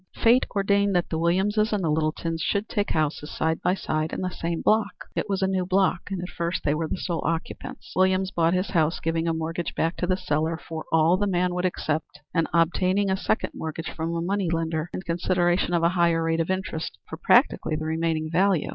Fate ordained that the Williamses and the Littletons should take houses side by side in the same block. It was a new block, and at first they were the sole occupants. Williams bought his house, giving a mortgage back to the seller for all the man would accept, and obtaining a second mortgage from a money lender in consideration of a higher rate of interest, for practically the remaining value.